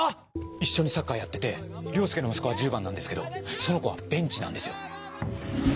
一緒にサッカーやってて凌介の息子は１０番なんですけどその子はベンチなんですよ。